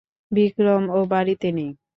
বিক্রম, ও বাড়িতে নেই।